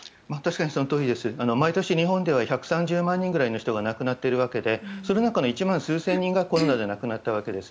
毎年、日本では１３０万人ぐらいの人が亡くなっているわけでその中の１万数千人がコロナで亡くなったわけです。